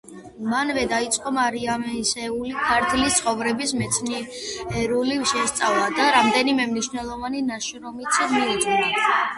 მანვე დაიწყო მარიამისეული „ქართლის ცხოვრების“ მეცნიერული შესწავლა და რამდენიმე მნიშვნელოვანი ნაშრომიც მიუძღვნა.